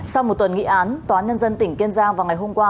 sau một tuần nghị án tòa án nhân dân tỉnh kiên giang vào ngày hôm qua